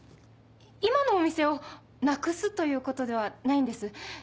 今のお店をなくすということではないんです。